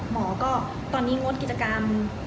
หมอก็ตอนนี้งดกิจกรรม